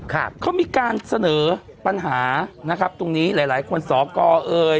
ครับเขามีการเสนอปัญหานะครับตรงนี้หลายหลายคนสอกรเอ่ย